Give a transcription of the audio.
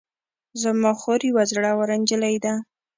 زما خور یوه زړوره نجلۍ ده